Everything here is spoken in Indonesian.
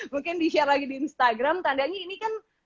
mungkin di share lagi di instagram tandanya ini kan